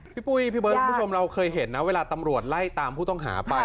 พี่ปุ้ยพี่เบิร์ดคุณผู้ชมเราเคยเห็นนะเวลาตำรวจไล่ตามผู้ต้องหาไป